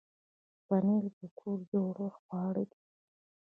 پنېر د کور جوړ خواړه دي.